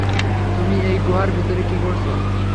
তুমি এই গুহার ভেতর কি করছো?